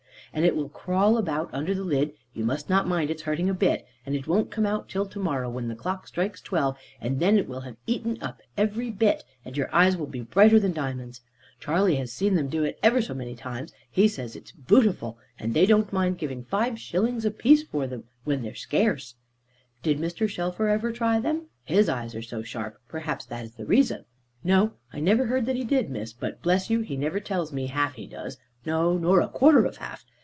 "And it will crawl about under the lid, you must not mind its hurting a bit; and it won't come out till to morrow when the clock strikes twelve, and then it will have eaten up every bit, and your eyes will be brighter than diamonds. Charley has seen them do it ever so many times, and he says it's bootiful, and they don't mind giving five shillings a piece for them, when they are scarce." "Did Mr. Shelfer ever try them? His eyes are so sharp: perhaps that is the reason." "No. I never heard that he did, Miss. But bless you he never tells me half he does; no, nor a quarter of half."